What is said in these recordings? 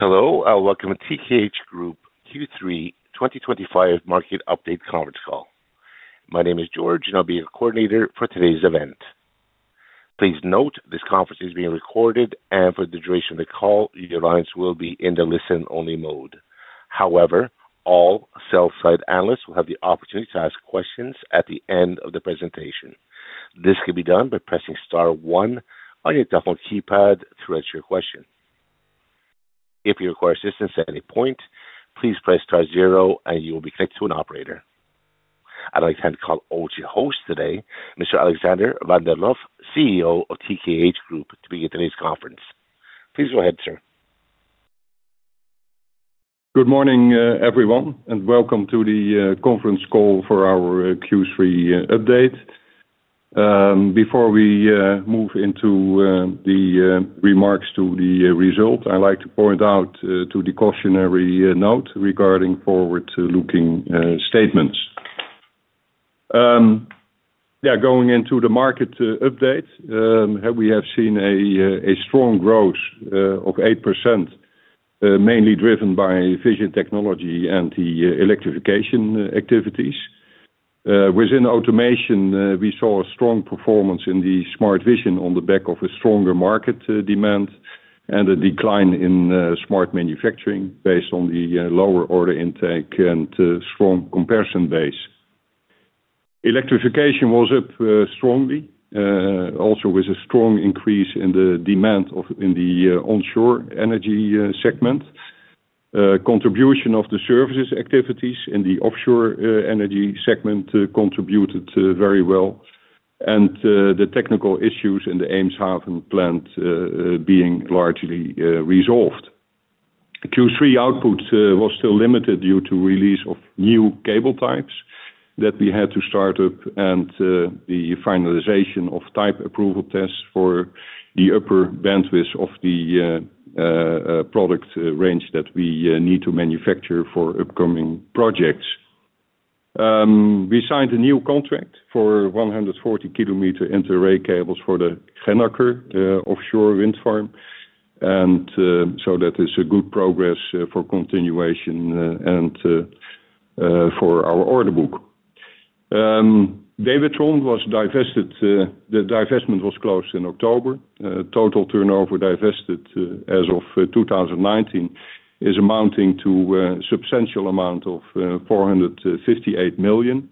Hello. Welcome to TKH Group Q3 2025 market update conference call. My name is George, and I'll be your coordinator for today's event. Please note this conference is being recorded, and for the duration of the call, your lines will be in the listen-only mode. However, all sell-side analysts will have the opportunity to ask questions at the end of the presentation. This can be done by pressing star one on your telephone keypad to register your question. If you require assistance at any point, please press star zero, and you will be connected to an operator. I'd like to hand the call over to your host today, Mr. Alexander van der Lof, CEO of TKH Group, to begin today's conference. Please go ahead, sir. Good morning, everyone, and welcome to the conference call for our Q3 update. Before we move into the remarks to the result, I'd like to point out the cautionary note regarding forward-looking statements. Yeah, going into the market update, we have seen a strong growth of 8%, mainly driven by vision technology and the electrification activities. Within automation, we saw a strong performance in the smart vision on the back of a stronger market demand and a decline in smart manufacturing based on the lower order intake and strong comparison base. Electrification was up strongly, also with a strong increase in the demand in the onshore energy segment. Contribution of the services activities in the offshore energy segment contributed very well, and the technical issues in the Eemshaven plant being largely resolved. Q3 output was still limited due to the release of new cable types that we had to start up and the finalization of type approval tests for the upper bandwidth of the product range that we need to manufacture for upcoming projects. We signed a new contract for 140 km inter-array cables for the Gennaker offshore wind farm, and that is good progress for continuation and for our order book. Dewetron was divested, the divestment was closed in October. Total turnover divested as of 2019 is amounting to a substantial amount of 458 million.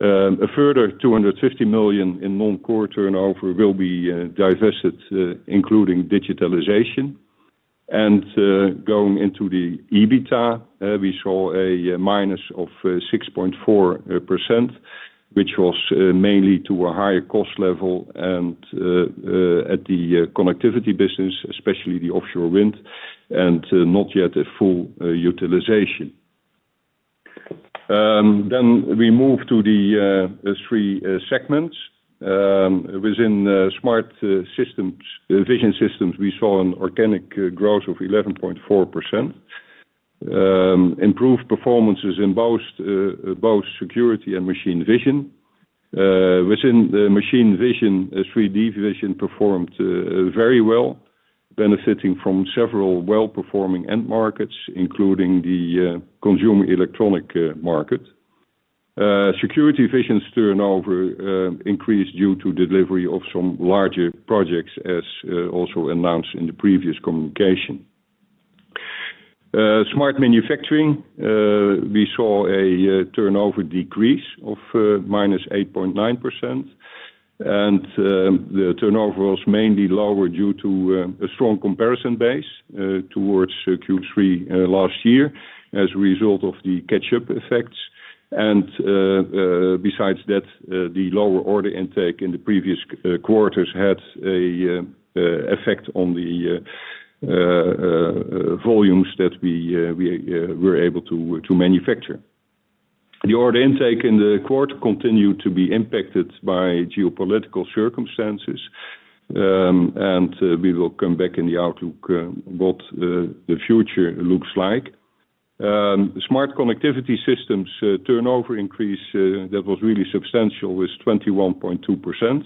A further 250 million in non-core turnover will be divested, including digitalization. Going into the EBITDA, we saw a minus of 6.4%, which was mainly due to a higher cost level at the connectivity business, especially the offshore wind, and not yet a full utilization. We moved to the three segments. Within Smart Systems, Vision Systems, we saw an organic growth of 11.4%. Improved performances in both security and machine vision. Within the machine vision, 3D vision performed very well, benefiting from several well-performing end markets, including the consumer electronic market. Security vision turnover increased due to delivery of some larger projects, as also announced in the previous communication. Smart Manufacturing, we saw a turnover decrease of -8.9%, and the turnover was mainly lower due to a strong comparison base towards Q3 last year as a result of the catch-up effects. Besides that, the lower order intake in the previous quarters had an effect on the volumes that we were able to manufacture. The order intake in the quarter continued to be impacted by geopolitical circumstances, and we will come back in the outlook on what the future looks like. Smart Connectivity Systems turnover increase that was really substantial was 21.2%.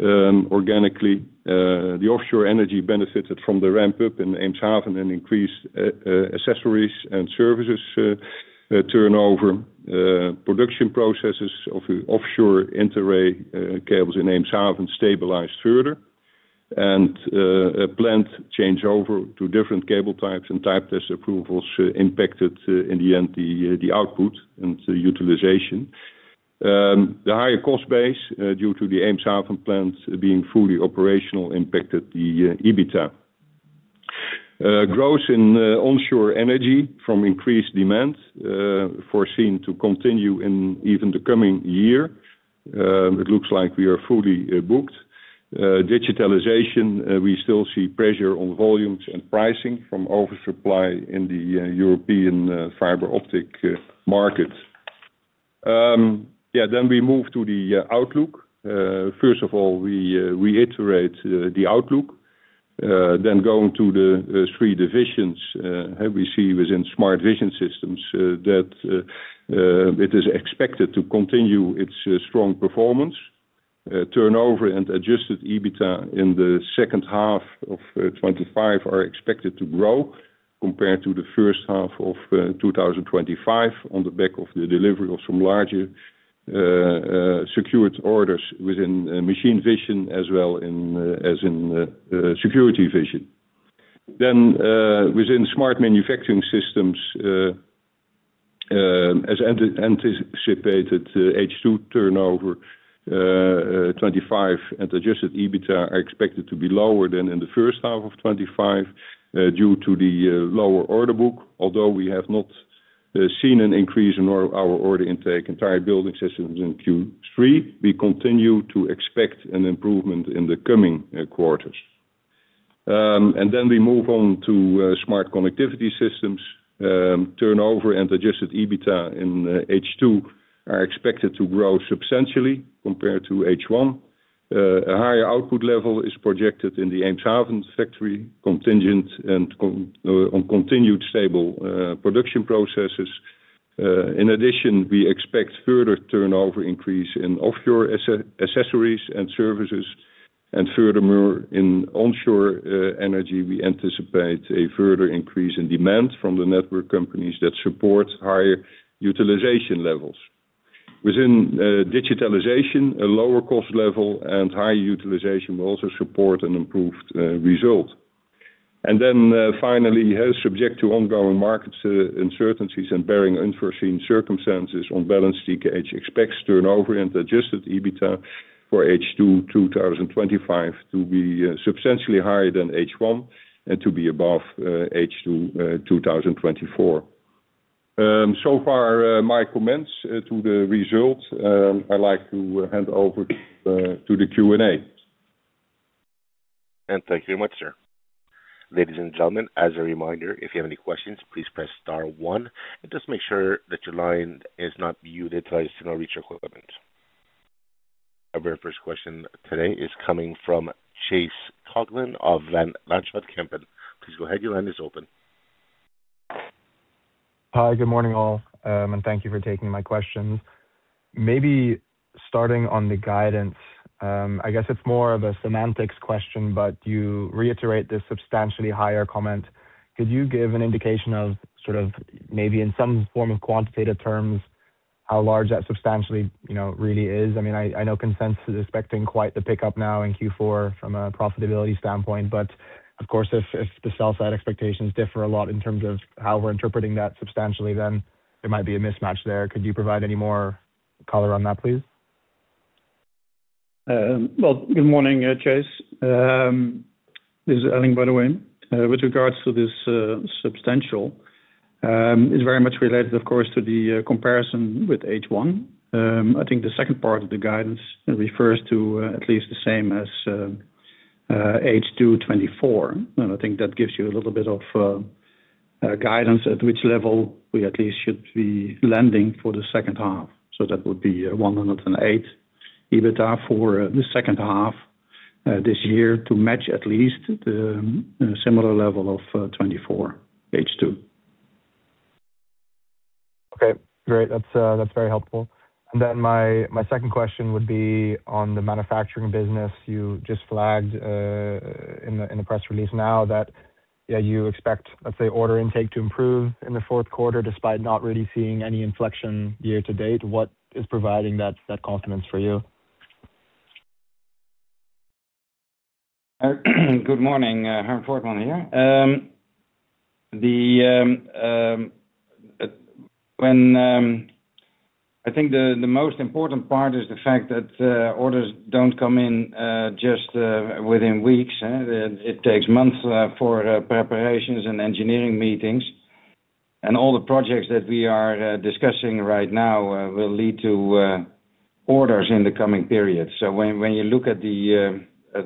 Organically, the offshore energy benefited from the ramp-up in Eemshaven and increased accessories and services turnover. Production processes of offshore inter-array cables in Eemshaven stabilized further, and a plant changeover to different cable types and type approval tests impacted in the end the output and utilization. The higher cost base due to the Eemshaven plant being fully operational impacted the EBITDA. Growth in onshore energy from increased demand foreseen to continue in even the coming year. It looks like we are fully booked. Digitalization, we still see pressure on volumes and pricing from oversupply in the European fiber optic market. Yeah, we move to the outlook. First of all, we reiterate the outlook. Going to the three divisions, we see within Smart Vision Systems that it is expected to continue its strong performance. Turnover and adjusted EBITDA in the second half of 2025 are expected to grow compared to the first half of 2025 on the back of the delivery of some larger secured orders within machine vision as well as in security vision. Within smart manufacturing systems, as anticipated, H2 turnover 2025 and adjusted EBITDA are expected to be lower than in the first half of 2025 due to the lower order book. Although we have not seen an increase in our order intake in entire building systems in Q3, we continue to expect an improvement in the coming quarters. We move on to smart connectivity systems. Turnover and adjusted EBITDA in H2 are expected to grow substantially compared to H1. A higher output level is projected in the Eemshaven factory, contingent on continued stable production processes. In addition, we expect further turnover increase in offshore accessories and services, and furthermore, in onshore energy, we anticipate a further increase in demand from the network companies that support higher utilization levels. Within digitalization, a lower cost level and higher utilization will also support an improved result. Finally, subject to ongoing market uncertainties and bearing unforeseen circumstances, on balance, TKH expects turnover and adjusted EBITDA for H2 2025 to be substantially higher than H1 and to be above H2 2024. So far, my comments to the result. I'd like to hand over to the Q&A. Thank you very much, sir. Ladies and gentlemen, as a reminder, if you have any questions, please press star one. Just make sure that your line is not muted so I still reach your equipment. Our very first question today is coming from Chase Coughlan of Van Lanschot Kempen. Please go ahead. Your line is open. Hi, good morning all, and thank you for taking my questions. Maybe starting on the guidance, I guess it's more of a semantics question, but you reiterate this substantially higher comment. Could you give an indication of sort of maybe in some form of quantitative terms how large that substantially really is? I mean, I know consensus is expecting quite the pickup now in Q4 from a profitability standpoint, but of course, if the sell-side expectations differ a lot in terms of how we're interpreting that substantially, then there might be a mismatch there. Could you provide any more color on that, please? Good morning, Chase. This is Elling, by the way. With regards to this substantial, it is very much related, of course, to the comparison with H1. I think the second part of the guidance refers to at least the same as H2 2024. I think that gives you a little bit of guidance at which level we at least should be landing for the second half. That would be 108 million EBITDA for the second half this year to match at least the similar level of 2024 H2. Okay, great. That's very helpful. My second question would be on the manufacturing business. You just flagged in the press release now that, yeah, you expect, let's say, order intake to improve in the fourth quarter despite not really seeing any inflection year to date. What is providing that confidence for you? Good morning. Harm Voortman here. I think the most important part is the fact that orders do not come in just within weeks. It takes months for preparations and engineering meetings. All the projects that we are discussing right now will lead to orders in the coming period. When you look at the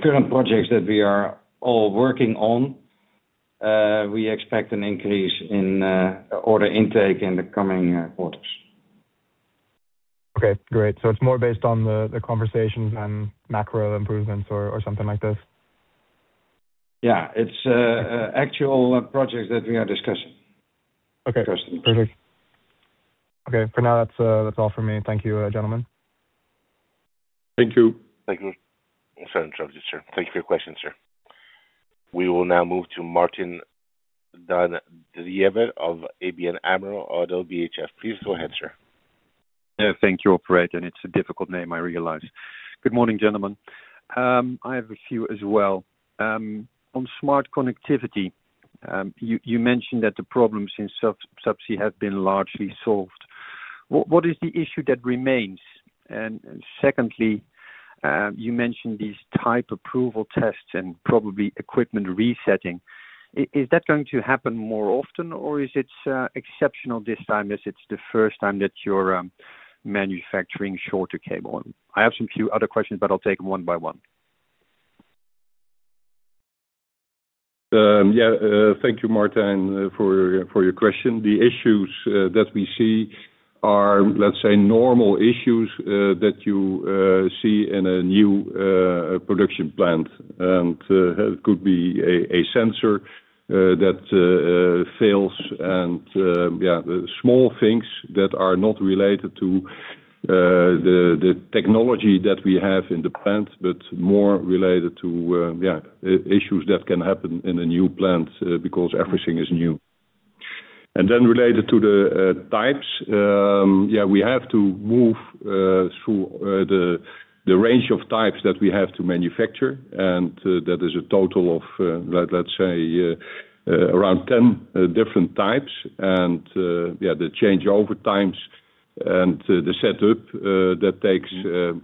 current projects that we are all working on, we expect an increase in order intake in the coming quarters. Okay, great. So it's more based on the conversations and macro improvements or something like this? Yeah, it's actual projects that we are discussing. Okay, perfect. Okay, for now, that's all from me. Thank you, gentlemen. Thank you. Thank you. Thank you for your question, sir. We will now move to Martijn den Drijver of ABN AMRO. Please go ahead, sir. Yeah, thank you, Operator. It's a difficult name, I realize. Good morning, gentlemen. I have a few as well. On Smart Connectivity, you mentioned that the problems in subsea have been largely solved. What is the issue that remains? Secondly, you mentioned these type approval tests and probably equipment resetting. Is that going to happen more often, or is it exceptional this time as it's the first time that you're manufacturing shorter cable? I have some few other questions, but I'll take them one by one. Yeah, thank you, Martijn, for your question. The issues that we see are, let's say, normal issues that you see in a new production plant. It could be a sensor that fails and, yeah, small things that are not related to the technology that we have in the plant, but more related to, yeah, issues that can happen in a new plant because everything is new. Related to the types, yeah, we have to move through the range of types that we have to manufacture. That is a total of, let's say, around 10 different types. Yeah, the changeover times and the setup, that takes,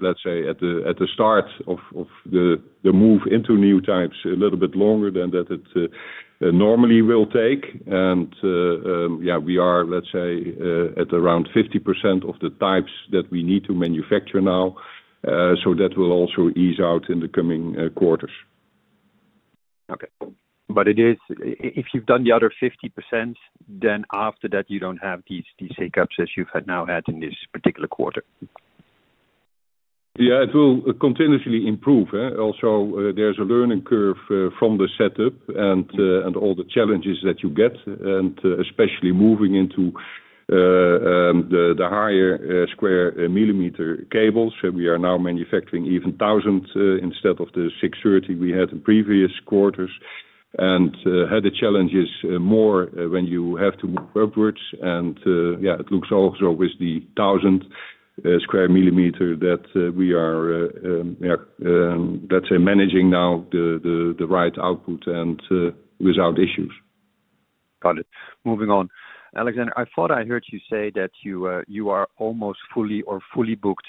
let's say, at the start of the move into new types, a little bit longer than it normally will take. Yeah, we are, let's say, at around 50% of the types that we need to manufacture now. That will also ease out in the coming quarters. Okay. If you've done the other 50%, then after that, you don't have these hiccups as you've now had in this particular quarter. Yeah, it will continuously improve. Also, there's a learning curve from the setup and all the challenges that you get, especially moving into the higher square mm cables. We are now manufacturing even 1,000 instead of the 630 we had in previous quarters and had the challenges more when you have to move upwards. Yeah, it looks also with the 1,000 square mm that we are, let's say, managing now the right output and without issues. Got it. Moving on. Alexander, I thought I heard you say that you are almost fully or fully booked.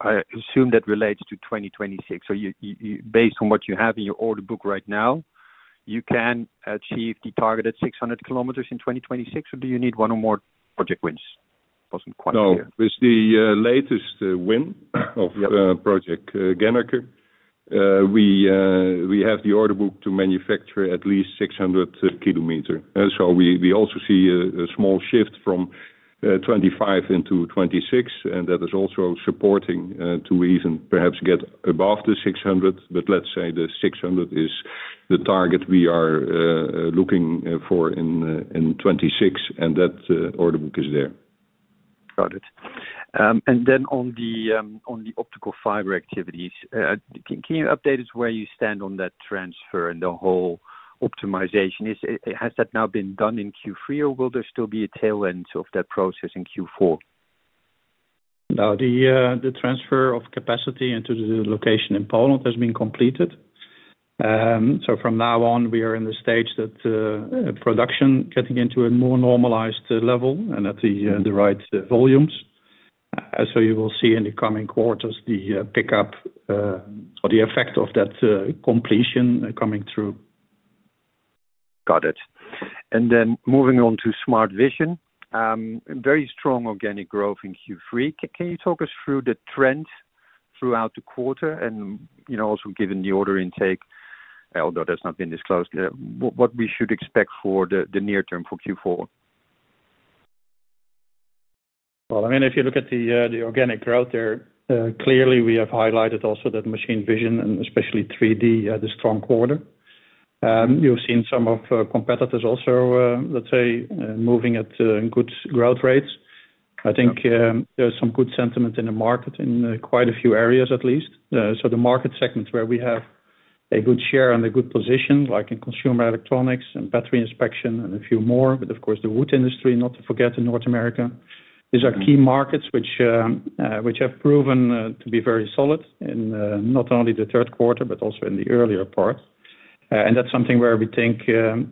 I assume that relates to 2026. So based on what you have in your order book right now, you can achieve the targeted 600 km in 2026, or do you need one or more project wins? It wasn't quite clear. No, with the latest win of project Gennaker, we have the order book to manufacture at least 600 km. We also see a small shift from 2025 into 2026, and that is also supporting to even perhaps get above the 600. Let's say the 600 is the target we are looking for in 2026, and that order book is there. Got it. On the optical fiber activities, can you update us where you stand on that transfer and the whole optimization? Has that now been done in Q3, or will there still be a tail end of that process in Q4? Now, the transfer of capacity into the location in Poland has been completed. From now on, we are in the stage that production is getting into a more normalized level and at the right volumes. You will see in the coming quarters the pickup or the effect of that completion coming through. Got it. Moving on to Smart Vision, very strong organic growth in Q3. Can you talk us through the trends throughout the quarter? Also, given the order intake, although that's not been disclosed, what should we expect for the near term for Q4? If you look at the organic growth there, clearly we have highlighted also that machine vision and especially 3D had a strong quarter. You've seen some of our competitors also, let's say, moving at good growth rates. I think there's some good sentiment in the market in quite a few areas at least. The market segments where we have a good share and a good position, like in consumer electronics and battery inspection and a few more, but of course the wood industry, not to forget North America. These are key markets which have proven to be very solid in not only the third quarter, but also in the earlier part. That's something where we think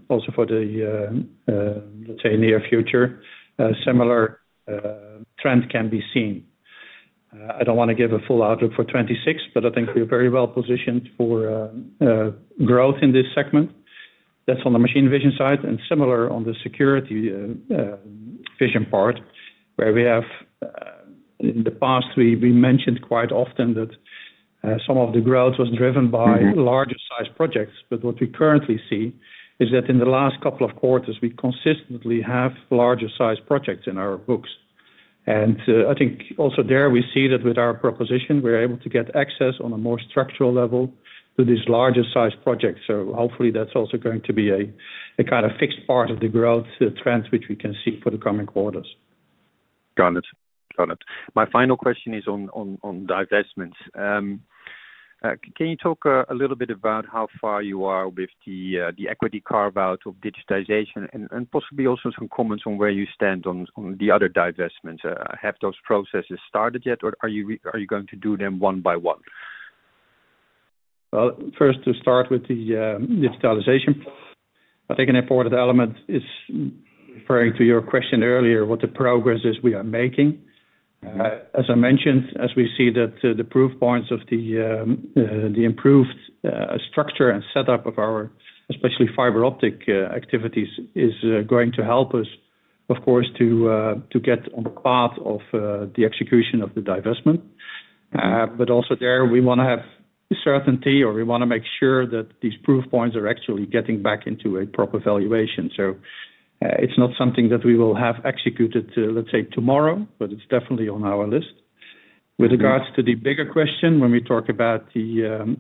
also for the, let's say, near future, a similar trend can be seen. I do not want to give a full outlook for 2026, but I think we are very well positioned for growth in this segment. That is on the machine vision side and similar on the security vision part, where we have in the past, we mentioned quite often that some of the growth was driven by larger size projects. What we currently see is that in the last couple of quarters, we consistently have larger size projects in our books. I think also there we see that with our proposition, we are able to get access on a more structural level to these larger size projects. Hopefully that is also going to be a kind of fixed part of the growth trend which we can see for the coming quarters. Got it. Got it. My final question is on divestments. Can you talk a little bit about how far you are with the equity carve-out of digitization and possibly also some comments on where you stand on the other divestments? Have those processes started yet, or are you going to do them one by one? First, to start with the digitalization, I think an important element is referring to your question earlier, what the progress is we are making. As I mentioned, as we see that the proof points of the improved structure and setup of our especially fiber optic activities is going to help us, of course, to get on the path of the execution of the divestment. Also there, we want to have certainty or we want to make sure that these proof points are actually getting back into a proper valuation. It is not something that we will have executed, let's say, tomorrow, but it is definitely on our list. With regards to the bigger question, when we talk about the,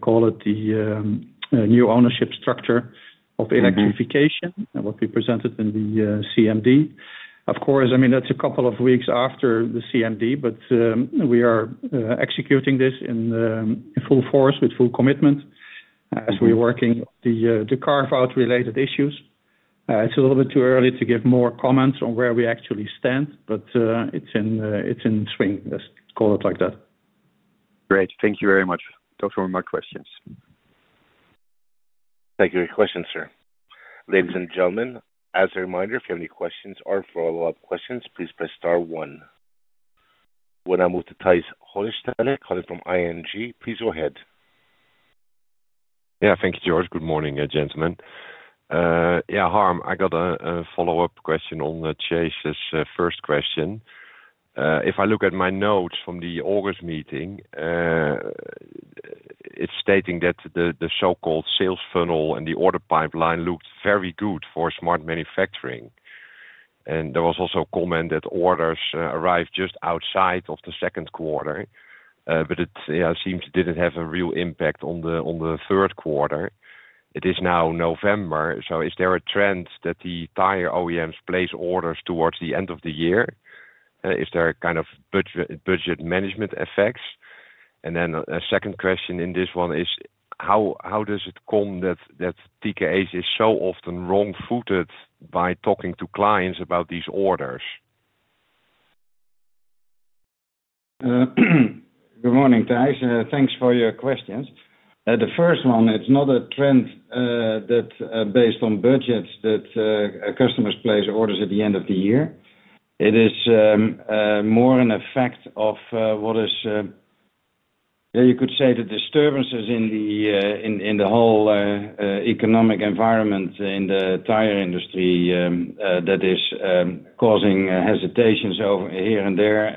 call it the new ownership structure of electrification and what we presented in the CMD, of course, I mean, that's a couple of weeks after the CMD, but we are executing this in full force with full commitment as we're working on the carve-out related issues. It's a little bit too early to give more comments on where we actually stand, but it's in swing, let's call it like that. Great. Thank you very much. Those were my questions. Thank you for your questions, sir. Ladies and gentlemen, as a reminder, if you have any questions or follow-up questions, please press star one. When I move to Tais Holst, calling from ING, please go ahead. Yeah, thank you, George. Good morning, gentlemen. Yeah, Harm, I got a follow-up question on Chase's first question. If I look at my notes from the August meeting, it's stating that the so-called sales funnel and the order pipeline looked very good for smart manufacturing. There was also a comment that orders arrived just outside of the second quarter, but it seems it didn't have a real impact on the third quarter. It is now November, so is there a trend that the tire OEMs place orders towards the end of the year? Is there kind of budget management effects? A second question in this one is, how does it come that TKH is so often wrong-footed by talking to clients about these orders? Good morning, Tais. Thanks for your questions. The first one, it's not a trend that based on budgets that customers place orders at the end of the year. It is more an effect of what is, yeah, you could say the disturbances in the whole economic environment in the tire industry that is causing hesitations here and there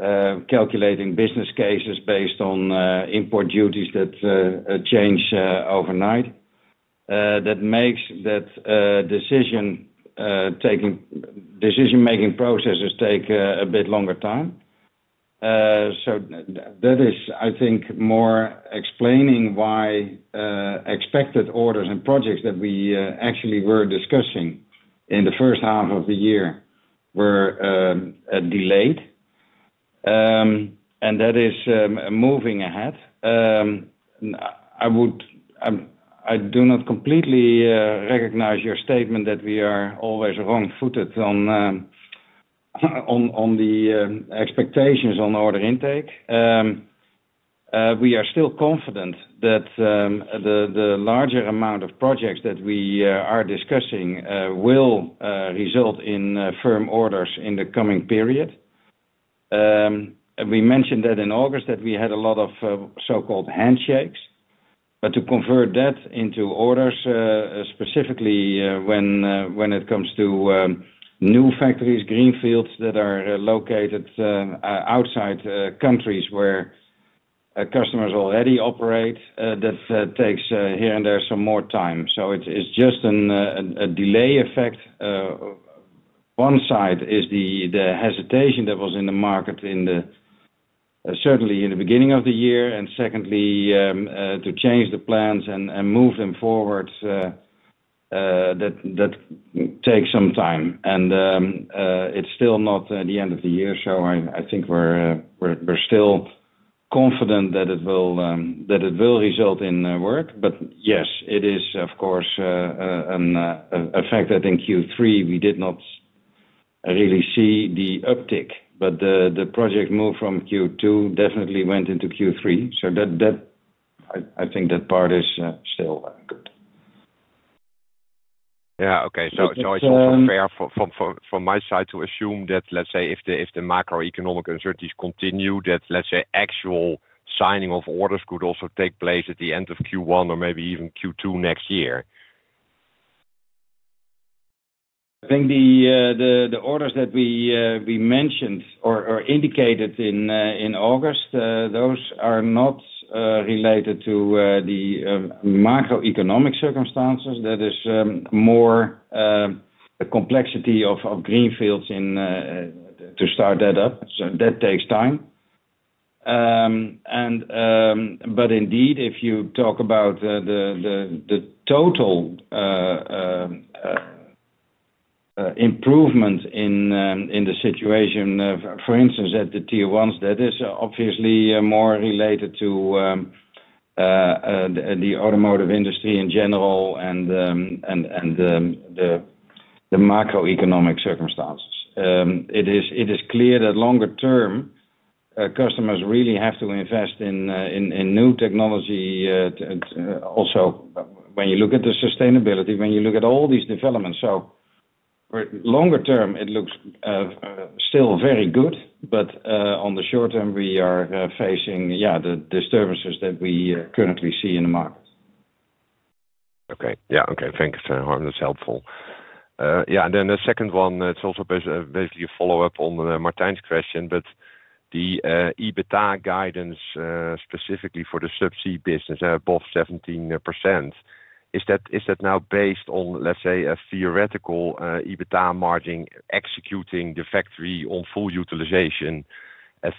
and calculating business cases based on import duties that change overnight. That makes that decision-making processes take a bit longer time. That is, I think, more explaining why expected orders and projects that we actually were discussing in the first half of the year were delayed. That is moving ahead. I do not completely recognize your statement that we are always wrong-footed on the expectations on order intake. We are still confident that the larger amount of projects that we are discussing will result in firm orders in the coming period. We mentioned in August that we had a lot of so-called handshakes. To convert that into orders, specifically when it comes to new factories, Greenfields that are located outside countries where customers already operate, that takes here and there some more time. It is just a delay effect. One side is the hesitation that was in the market certainly in the beginning of the year. Secondly, to change the plans and move them forward, that takes some time. It is still not the end of the year. I think we are still confident that it will result in work. Yes, it is, of course, an effect that in Q3 we did not really see the uptick, but the project moved from Q2, definitely went into Q3. I think that part is still good. Yeah. Okay. So it's also fair from my side to assume that, let's say, if the macroeconomic uncertainties continue, that, let's say, actual signing of orders could also take place at the end of Q1 or maybe even Q2 next year. I think the orders that we mentioned or indicated in August, those are not related to the macroeconomic circumstances. That is more the complexity of Greenfields to start that up. That takes time. Indeed, if you talk about the total improvement in the situation, for instance, at the Tier 1s, that is obviously more related to the automotive industry in general and the macroeconomic circumstances. It is clear that longer term, customers really have to invest in new technology. Also, when you look at the sustainability, when you look at all these developments, longer term, it looks still very good, but on the short term, we are facing, yeah, the disturbances that we currently see in the market. Okay. Yeah. Okay. Thanks, Harm. That's helpful. Yeah. The second one, it's also basically a follow-up on Martijn's question, but the EBITDA guidance specifically for the subsea business, above 17%, is that now based on, let's say, a theoretical EBITDA margin executing the factory on full utilization at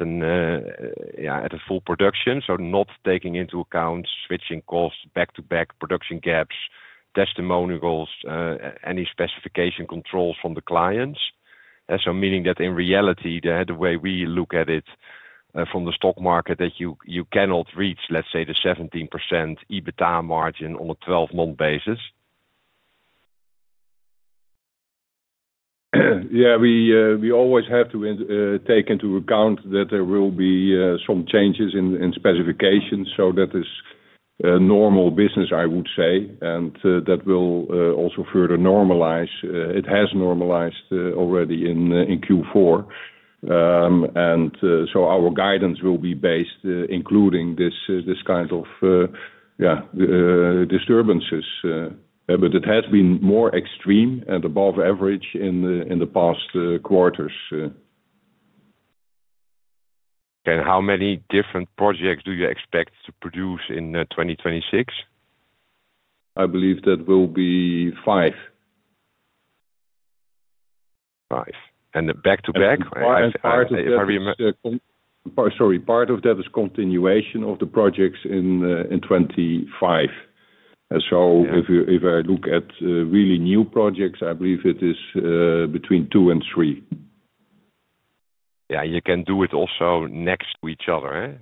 full production, so not taking into account switching costs, back-to-back production gaps, testimonials, any specification controls from the clients? Meaning that in reality, the way we look at it from the stock market, that you cannot reach, let's say, the 17% EBITDA margin on a 12-month basis? Yeah. We always have to take into account that there will be some changes in specifications. That is normal business, I would say, and that will also further normalize. It has normalized already in Q4. Our guidance will be based including this kind of, yeah, disturbances. It has been more extreme and above average in the past quarters. How many different projects do you expect to produce in 2026? I believe that will be 5. Five. And the back-to-back? Sorry. Part of that is continuation of the projects in 2025. If I look at really new projects, I believe it is between 2 and 3. Yeah. You can do it also next to each other.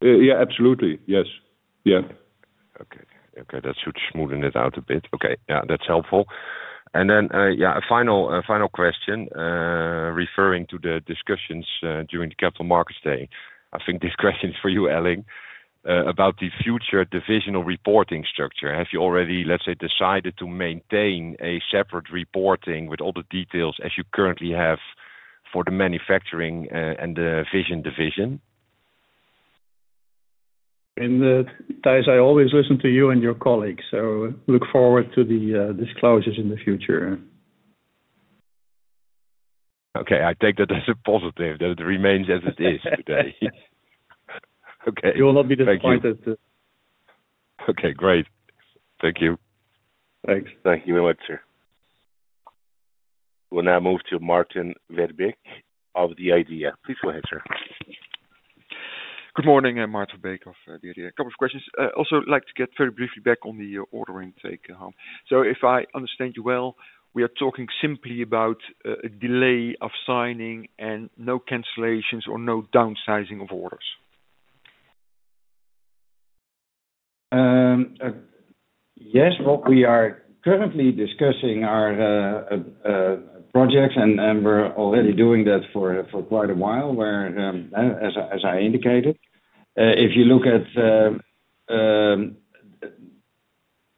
Yeah, absolutely. Yes. Yeah. Okay. Okay. That's smoothing it out a bit. Okay. Yeah. That's helpful. Then, yeah, a final question referring to the discussions during the capital markets day. I think this question is for you, Elling, about the future divisional reporting structure. Have you already, let's say, decided to maintain a separate reporting with all the details as you currently have for the manufacturing and the vision division? Tais, I always listen to you and your colleagues. I look forward to the disclosures in the future. Okay. I take that as a positive, that it remains as it is today. Okay. It will not be disappointed. Okay. Great. Thank you. Thanks. Thank you very much, sir. We'll now move to Maarten Verbeek of The Idea. Please go ahead, sir. Good morning. I'm Maarten Verbeek of The Idea. A couple of questions. Also like to get very briefly back on the order intake, Harm. If I understand you well, we are talking simply about a delay of signing and no cancellations or no downsizing of orders. Yes. What we are currently discussing are projects, and we're already doing that for quite a while where, as I indicated, if you look at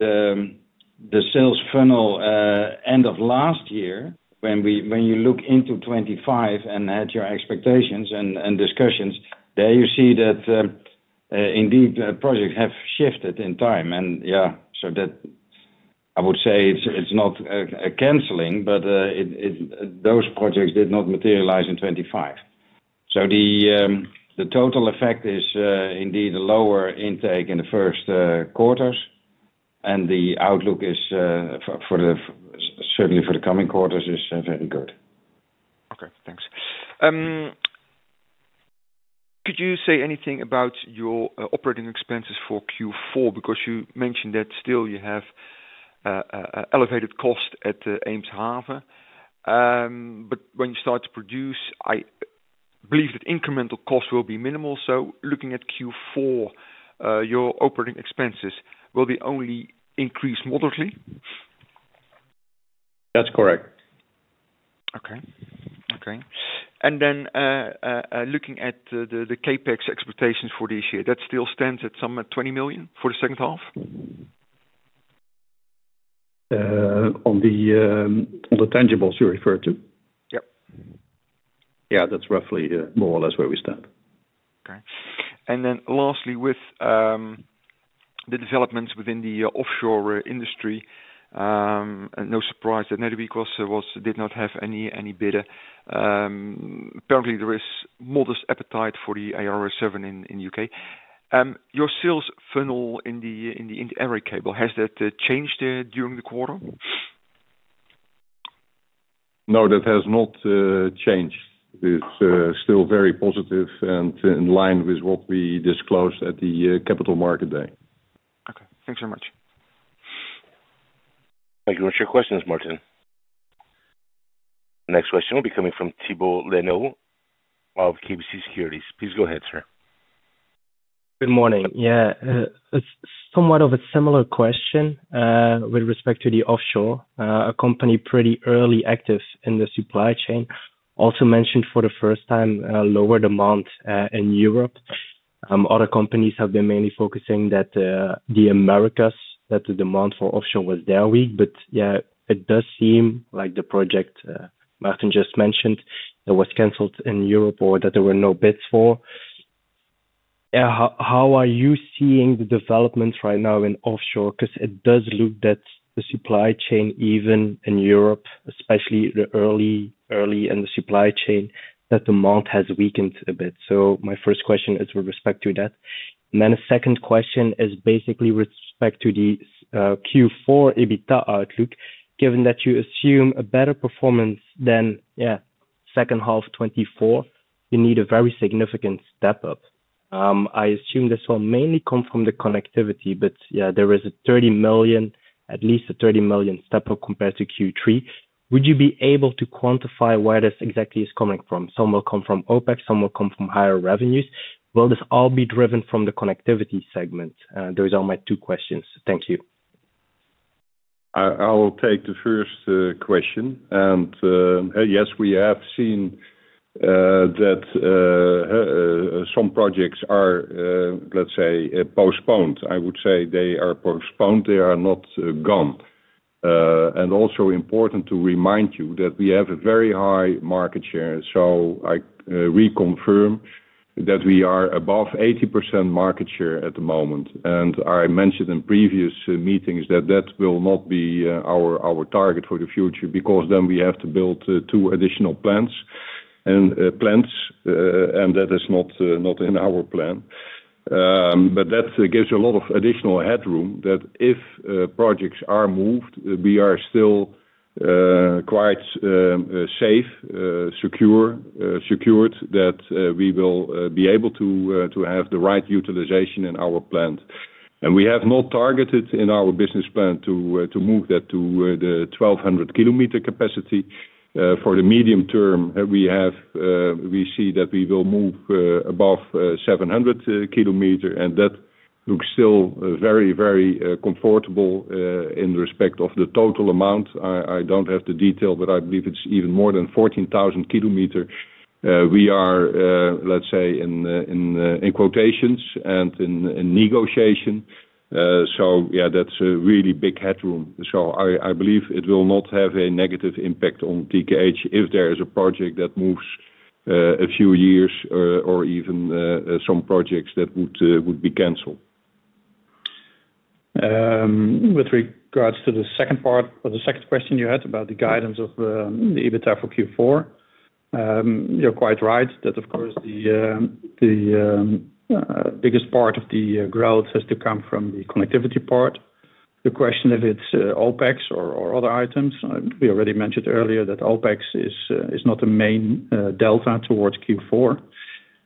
the sales funnel end of last year, when you look into 2025 and had your expectations and discussions, there you see that indeed projects have shifted in time. Yeah, I would say it's not a canceling, but those projects did not materialize in 2025. The total effect is indeed a lower intake in the first quarters. The outlook is certainly for the coming quarters is very good. Okay. Thanks. Could you say anything about your operating expenses for Q4? Because you mentioned that still you have elevated cost at Eemshaven. But when you start to produce, I believe that incremental costs will be minimal. Looking at Q4, your operating expenses will be only increased moderately? That's correct. Okay. Okay. Looking at the CapEx expectations for this year, that still stands at some 20 million for the second half? On the tangibles you referred to? Yep. Yeah. That's roughly more or less where we stand. Okay. Lastly, with the developments within the offshore industry, no surprise that Netherbeek did not have any bidder. Apparently, there is modest appetite for the 7 in the U.K. Your sales funnel in the area cable, has that changed during the quarter? No, that has not changed. It's still very positive and in line with what we disclosed at the capital market day. Okay. Thanks very much. Thank you very much for your questions, Martin. Next question will be coming from Thiebault Lenaerts of KBC Securities. Please go ahead, sir. Good morning. Yeah. It's somewhat of a similar question with respect to the offshore. A company pretty early active in the supply chain. Also mentioned for the first time, lower demand in Europe. Other companies have been mainly focusing that the Americas, that the demand for offshore was there weak. Yeah, it does seem like the project Martin just mentioned that was canceled in Europe or that there were no bids for. Yeah. How are you seeing the developments right now in offshore? Because it does look that the supply chain, even in Europe, especially early in the supply chain, that demand has weakened a bit. My first question is with respect to that. A second question is basically with respect to the Q4 EBITDA outlook. Given that you assume a better performance than, yeah, second half 2024, you need a very significant step up. I assume this will mainly come from the connectivity, but yeah, there is at least a $30 million step up compared to Q3. Would you be able to quantify where this exactly is coming from? Some will come from OpEx, some will come from higher revenues. Will this all be driven from the connectivity segment? Those are my two questions. Thank you. I will take the first question. Yes, we have seen that some projects are, let's say, postponed. I would say they are postponed. They are not gone. Also important to remind you that we have a very high market share. I reconfirm that we are above 80% market share at the moment. I mentioned in previous meetings that that will not be our target for the future because then we have to build two additional plants and that is not in our plan. That gives a lot of additional headroom that if projects are moved, we are still quite safe, secure, secured that we will be able to have the right utilization in our plant. We have not targeted in our business plan to move that to the 1,200-km capacity. For the medium term, we see that we will move above 700 km, and that looks still very, very comfortable in respect of the total amount. I do not have the detail, but I believe it is even more than 14,000 km. We are, let's say, in quotations and in negotiation. Yeah, that is a really big headroom. I believe it will not have a negative impact on TKH if there is a project that moves a few years or even some projects that would be canceled. With regards to the second part or the second question you had about the guidance of the EBITDA for Q4, you're quite right that, of course, the biggest part of the growth has to come from the connectivity part. The question of its OpEx or other items, we already mentioned earlier that OpEx is not the main delta towards Q4.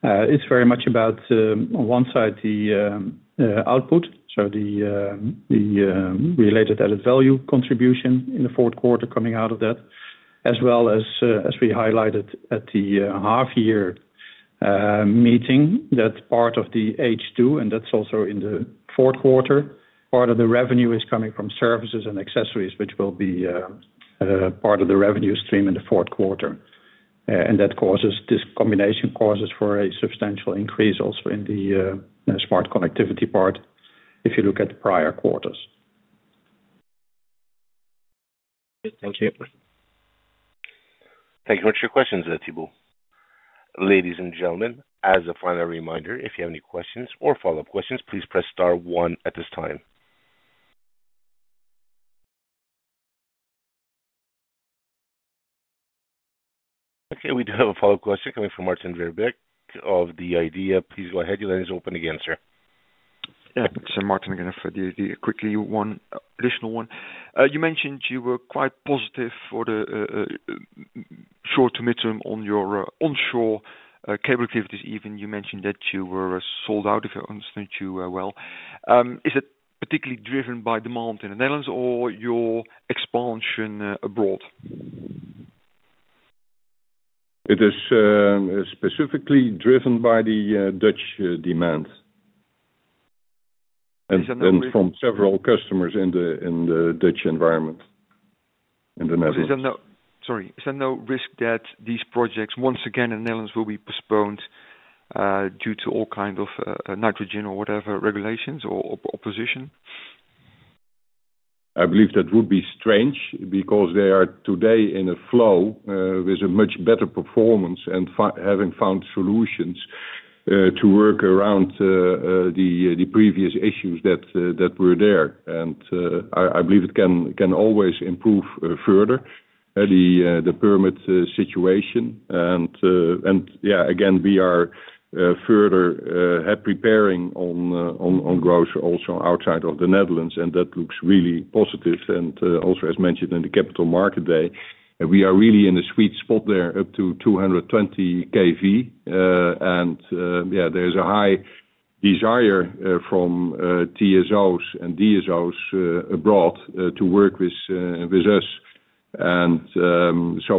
It's very much about, on one side, the output, so the related added value contribution in the fourth quarter coming out of that, as well as, as we highlighted at the half-year meeting, that part of the H2, and that's also in the fourth quarter. Part of the revenue is coming from services and accessories, which will be part of the revenue stream in the fourth quarter. That causes this combination causes for a substantial increase also in the Smart Connectivity part if you look at prior quarters. Thank you. Thank you very much for your questions, Thiebault. Ladies and gentlemen, as a final reminder, if you have any questions or follow-up questions, please press star one at this time. Okay. We do have a follow-up question coming from Maarten Verbeek of The Idea. Please go ahead. You have his open again, sir. Yeah. It's Maarten again for the idea. Quickly, one additional one. You mentioned you were quite positive for the short to mid-term on your onshore cable activities. Even you mentioned that you were sold out, if I understood you well. Is it particularly driven by demand in the Netherlands or your expansion abroad? It is specifically driven by the Dutch demand and from several customers in the Dutch environment in the Netherlands. Sorry. Is there no risk that these projects once again in the Netherlands will be postponed due to all kinds of nitrogen or whatever regulations or opposition? I believe that would be strange because they are today in a flow with a much better performance and having found solutions to work around the previous issues that were there. I believe it can always improve further the permit situation. Yeah, again, we are further preparing on growth also outside of the Netherlands, and that looks really positive. Also, as mentioned in the capital market day, we are really in a sweet spot there up to 220 kV. Yeah, there is a high desire from TSOs and DSOs abroad to work with us.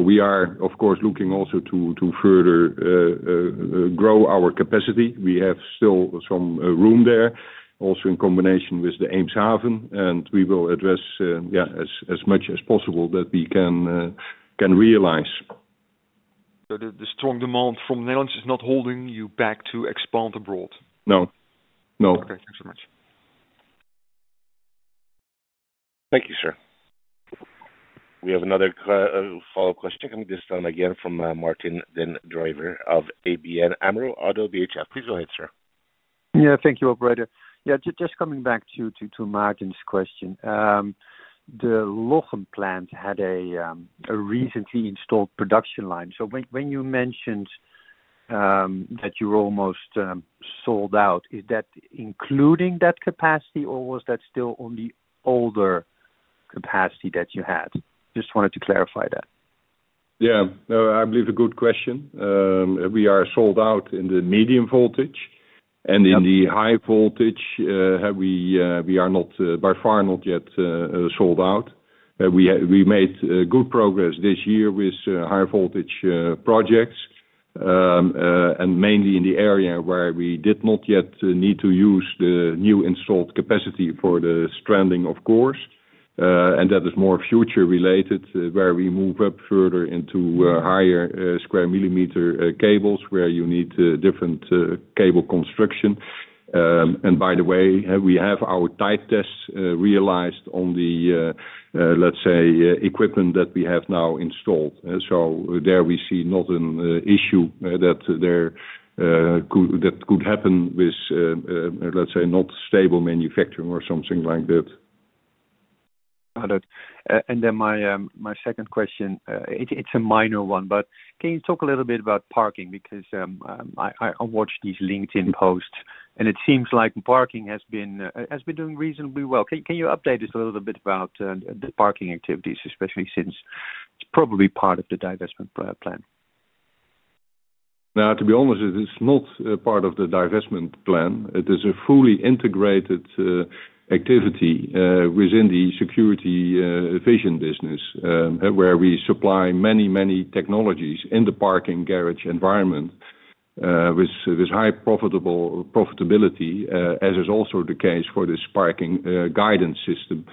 We are, of course, looking also to further grow our capacity. We have still some room there, also in combination with the Eemshaven. We will address, yeah, as much as possible that we can realize. The strong demand from the Netherlands is not holding you back to expand abroad? No. No. Okay. Thanks very much. Thank you, sir. We have another follow-up question. This time again from Martijn den Drijver of ABN AMRO. Please go ahead, sir. Yeah. Thank you, operator. Yeah. Just coming back to Maarten's question, the Lochem Plant had a recently installed production line. So when you mentioned that you were almost sold out, is that including that capacity, or was that still on the older capacity that you had? Just wanted to clarify that. Yeah. I believe a good question. We are sold out in the medium voltage. In the high voltage, we are by far not yet sold out. We made good progress this year with high-voltage projects, mainly in the area where we did not yet need to use the new installed capacity for the stranding, of course. That is more future-related, where we move up further into higher square millimeter cables where you need different cable construction. By the way, we have our type tests realized on the, let's say, equipment that we have now installed. There we see not an issue that could happen with, let's say, not stable manufacturing or something like that. Got it. My second question, it's a minor one, but can you talk a little bit about parking? Because I watch these LinkedIn posts, and it seems like parking has been doing reasonably well. Can you update us a little bit about the parking activities, especially since it's probably part of the divestment plan? Now, to be honest, it's not part of the divestment plan. It is a fully integrated activity within the security vision business where we supply many, many technologies in the parking garage environment with high profitability, as is also the case for this parking guidance system.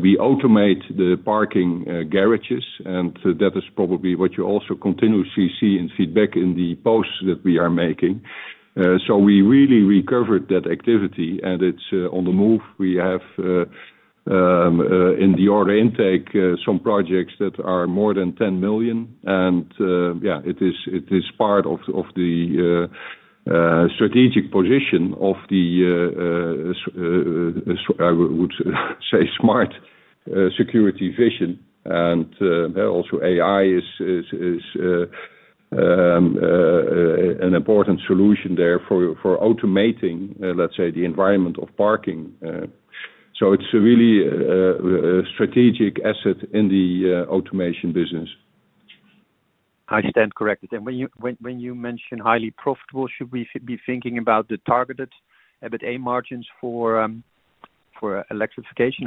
We automate the parking garages, and that is probably what you also continuously see in feedback in the posts that we are making. We really recovered that activity, and it's on the move. We have in the order intake some projects that are more than $10 million. It is part of the strategic position of the, I would say, smart security vision. Also, AI is an important solution there for automating, let's say, the environment of parking. It is a really strategic asset in the automation business. I stand corrected. When you mention highly profitable, should we be thinking about the targeted A margins for electrification?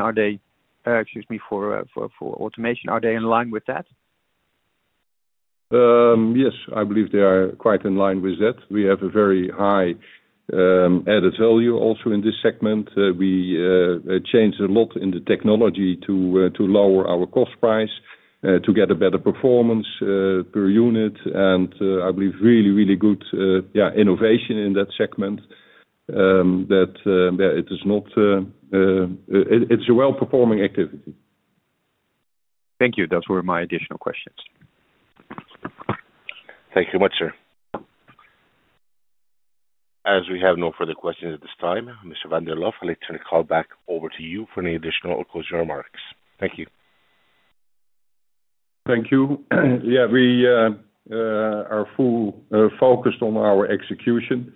Excuse me, for automation, are they in line with that? Yes. I believe they are quite in line with that. We have a very high added value also in this segment. We changed a lot in the technology to lower our cost price to get a better performance per unit. I believe really, really good, yeah, innovation in that segment that it is not, it's a well-performing activity. Thank you. Those were my additional questions. Thank you very much, sir. As we have no further questions at this time, Mr. van der Lof, I'll turn the call back over to you for any additional or closing remarks. Thank you. Thank you. Yeah. We are fully focused on our execution,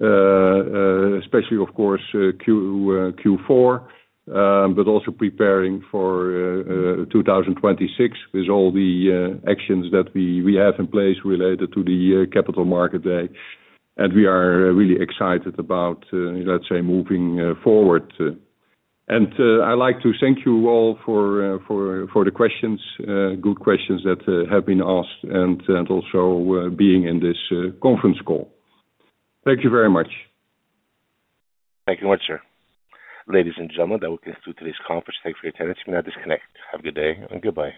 especially, of course, Q4, but also preparing for 2026 with all the actions that we have in place related to the capital market day. We are really excited about, let's say, moving forward. I'd like to thank you all for the questions, good questions that have been asked, and also being in this conference call. Thank you very much. Thank you very much, sir. Ladies and gentlemen, that will conclude today's conference. Thanks for your attendance. You may now disconnect. Have a good day and goodbye.